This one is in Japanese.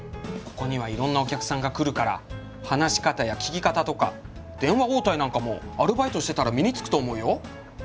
ここにはいろんなお客さんが来るから話し方や聞き方とか電話応対なんかもアルバイトしてたら身につくと思うよ。